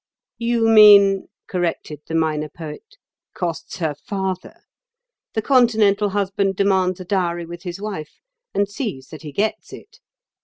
"You mean," corrected the Minor Poet, "costs her father. The Continental husband demands a dowry with his wife, and sees that he gets it.